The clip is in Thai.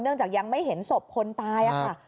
เนื่องจากยังไม่เห็นศพคนตายค่ะ